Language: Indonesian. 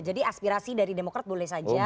jadi aspirasi dari demokrat boleh saja